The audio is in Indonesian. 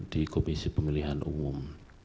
di komisi pemilihan umum